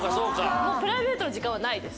プライベートの時間はないです。